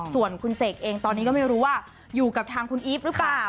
ส่วนคุณเสกเองตอนนี้ก็ไม่รู้ว่าอยู่กับทางคุณอีฟหรือเปล่า